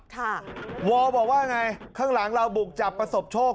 ค่ะวอลบอกว่าไงข้างหลังเราบุกจับประสบโชค